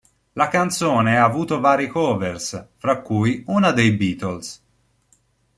La canzone ha avuto varie covers, fra cui una dei Beatles.